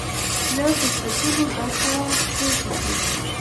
له فرصتونو ګټه پورته کړئ.